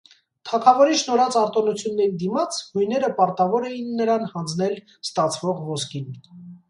Թագավորի շնորհած արտոնությունների դիմաց հույները պարտավոր էին նրան հանձնել ստացվող ոսկին։